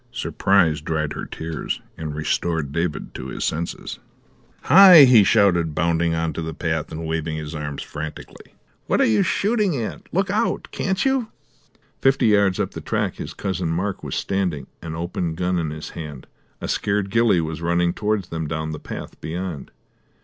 Surprise dried her tears and restored David to his senses. "Hi!" he shouted, bounding on to the path, and waving his arms frantically. "What are you shooting at? Look out, can't you?" Fifty yards up the track his Cousin Mark was standing, an open gun in his hand; a scared ghillie was running towards them down the path beyond.